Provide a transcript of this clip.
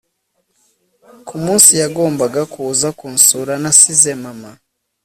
ku munsi yagombaga kuza kunsura nasize mama